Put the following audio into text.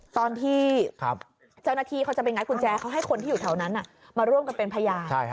ตอนที่เจ้าหน้าที่เขาจะไปงัดกุญแจเขาให้คนที่อยู่แถวนั้นมาร่วมกันเป็นพยาน